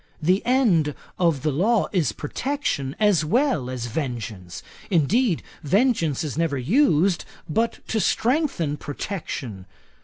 The end of law is protection as well as vengeance. Indeed, vengeance is never used but to strengthen protection.